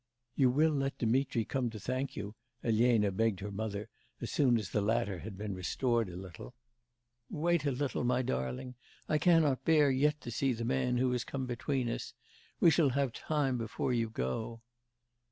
'You will let Dmitri come to thank you?' Elena begged her mother, as soon as the latter had been restored a little. 'Wait a little, my darling, I cannot bear yet to see the man who has come between us. We shall have time before you go.